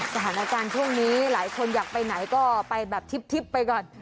สถานการณ์ช่วงนี้หลายคนอยากไปไหนก็ไปแบบทิพย์ไปก่อน